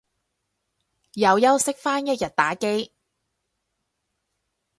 又休息返一日打機